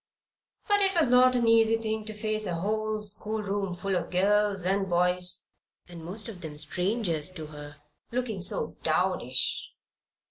But it was not an easy thing to face a whole schoolroom full of girls and boys and most of them strangers to her looking so "dowdyish."